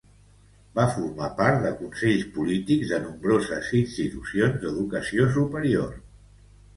Va formar part de consells polítics de nombroses institucions d'educació superior.